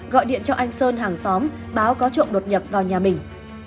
gọi điện cho anh sơn hàng xóm báo có trộm đột nhập vào nhà mình